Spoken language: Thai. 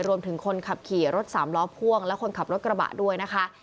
คนขับขี่รถสามล้อพ่วงและคนขับรถกระบะด้วยนะคะ